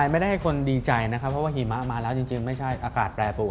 ไม่ได้ให้คนดีใจนะครับเพราะว่าหิมะมาแล้วจริงไม่ใช่อากาศแปรตัว